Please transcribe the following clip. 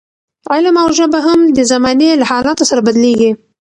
علم او ژبه هم د زمانې له حالاتو سره بدلېږي.